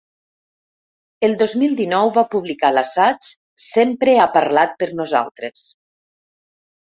El dos mil dinou va publicar l’assaig Sempre ha parlat per nosaltres.